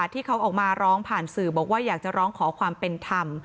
ที่เขาออกมาร้องผ่านสื่อบอกว่าอยากจะร้องขอความเป็นธรรม